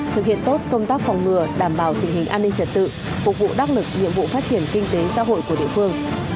thực hiện tốt công tác phòng ngừa đảm bảo tình hình an ninh trật tự phục vụ đắc lực nhiệm vụ phát triển kinh tế xã hội của địa phương